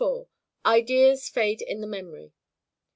Ideas fade in the Memory.